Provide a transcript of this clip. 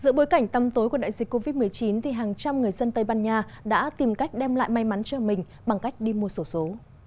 giữa bối cảnh tăm tối của đại dịch covid một mươi chín hàng trăm người dân tây ban nha đã tìm cách đem lại may mắn cho mình bằng cách đi mua sổ số